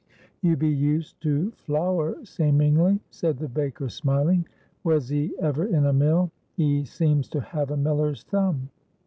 "You be used to flour seemingly," said the baker, smiling. "Was 'ee ever in a mill? 'ee seems to have a miller's thumb."